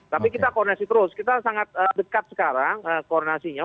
tapi kita koordinasi terus kita sangat dekat sekarang koordinasinya